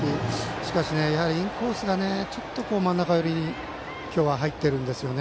しかし、インコースがちょっと真ん中寄りに今日は、入っているんですよね